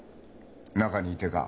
中にいてか？